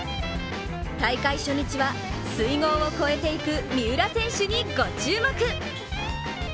大会初日は、水濠を越えていく三浦選手にご注目。